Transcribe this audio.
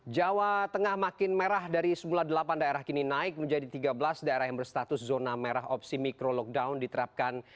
jawa tengah makin merah dari semula delapan daerah kini naik menjadi tiga belas daerah yang berstatus zona merah opsi mikro lockdown diterapkan